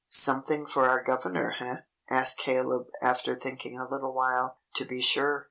"Something for our governor, eh?" asked Caleb after thinking a little while. "To be sure.